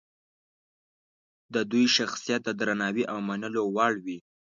د دوی شخصیت د درناوي او منلو وړ وي.